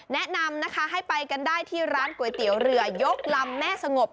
แนะนำนะคะให้ไปกันได้ที่ร้านก๋วยเตี๋ยวเรือยกลำแม่สงบ